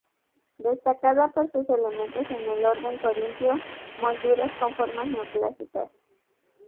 Destaca por sus elementos en el orden corintio, molduras con formas neoclásicas.